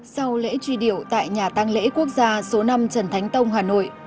sau lễ truy điệu tại nhà tăng lễ quốc gia số năm trần thánh tông hà nội